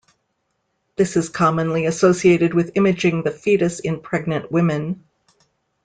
This is commonly associated with imaging the fetus in pregnant women.